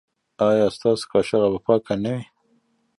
ایا ستاسو کاشوغه به پاکه نه وي؟